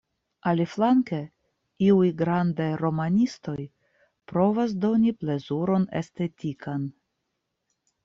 Aliflanke, iuj grandaj romanistoj provas doni plezuron estetikan.